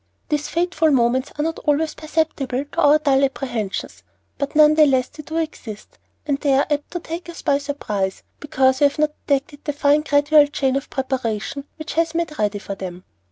These fateful moments are not always perceptible to our dull apprehensions, but none the less do they exist; and they are apt to take us by surprise, because we have not detected the fine gradual chain of preparation which has made ready for them.